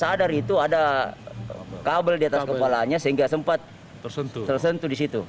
sadar itu ada kabel di atas kepalanya sehingga sempat tersentuh di situ